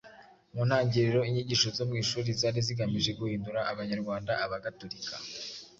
Mu ntangiriro inyigisho zo mu ishuri zari zigamije guhindura Abanyarwanda abagatolika